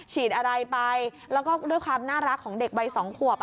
ฉีดอะไรไปแล้วก็ด้วยความน่ารักของเด็กวัย๒ขวบ